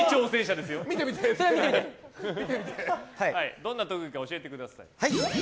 どんな特技か教えてください。